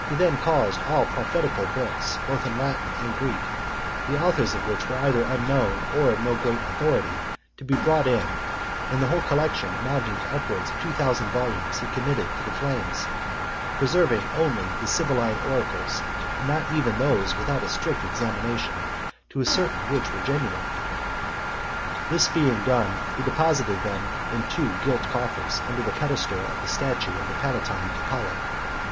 He then caused all prophetical books, both in Latin and Greek, the authors of which were either unknown, or of no great authority, to be brought in; and the whole collection, amounting to upwards of two thousand volumes, he committed to the flames, preserving only the Sibylline oracles; but not even those without a strict examination, to ascertain which were genuine. This being done, he deposited them in two gilt coffers, under the pedestal of the statue of the Palatine Apollo.